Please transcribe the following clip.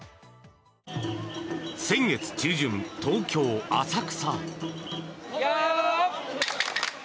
先月中旬、東京・浅草。